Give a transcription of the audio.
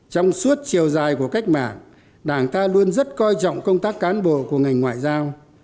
trong suốt chiều dài của cách mạng đảng ta luôn rất coi trọng công tác cán bộ của ngành ngoại giao